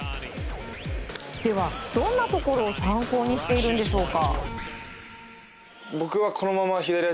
では、どんなところを参考にしているんでしょうか。